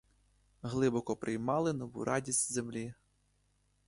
Глибоко приймали нову радість землі.